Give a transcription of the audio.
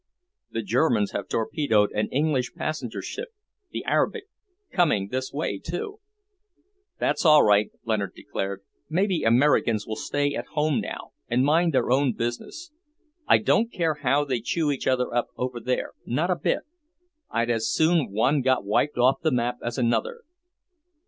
"The Germans have torpedoed an English passenger ship, the Arabic; coming this way, too." "That's all right," Leonard declared. "Maybe Americans will stay at home now, and mind their own business. I don't care how they chew each other up over there, not a bit! I'd as soon one got wiped off the map as another."